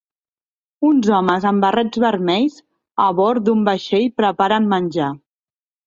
Uns homes amb barrets vermells abord d'un vaixell preparen menjar.